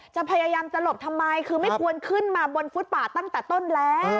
จะพยายามจะหลบทำไมคือไม่ควรขึ้นมาบนฟุตป่าตั้งแต่ต้นแล้ว